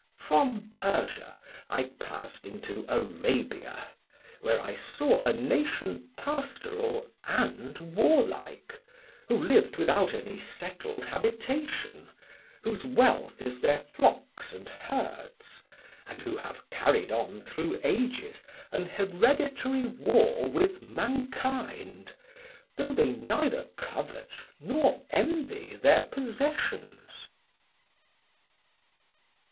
"From Persia I passed into Arabia, where I saw a nation pastoral and warlike, who lived without any settled habitation, whose wealth is their flocks and herds, and who have carried on through ages an hereditary war with mankind, though they neither covet nor envy their possessions."